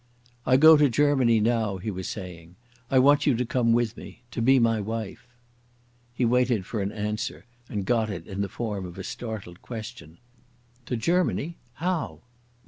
"I go to Germany now," he was saying. "I want you to come with me—to be my wife." He waited for an answer, and got it in the form of a startled question. "To Germany? How?"